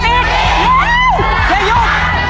สวัสดีครับ